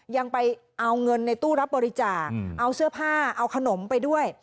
ยังไปเอาเงินในตู้รับบริจาคเอาเสื้อผ้าเอาขนมไปด้วย